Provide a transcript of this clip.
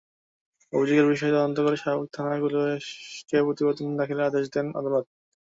অভিযোগের বিষয়ে তদন্ত করে শাহবাগ থানার পুলিশকে প্রতিবেদন দাখিলের আদেশ দেন আদালত।